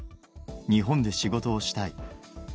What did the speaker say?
日本で仕事をしたい。